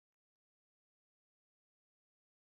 دځوانۍپه باغ می راغله، دزړښت دماښام لړه